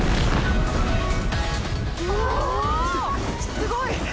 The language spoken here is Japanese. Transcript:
すすごい！